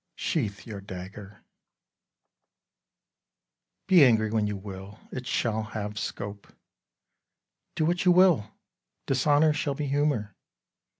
Bru. Sheath your dagger: Be angry when you will, it shall have scope; Do what you will, dishonour shall be humour.